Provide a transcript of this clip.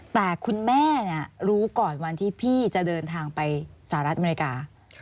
แต่คุณแม่รู้ก่อนวันที่พี่จะเดินทางไปสหรัฐอเมริกา